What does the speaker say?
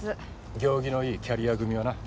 行儀のいいキャリア組はな。